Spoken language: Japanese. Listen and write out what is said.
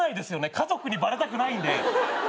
家族にバレたくないんで。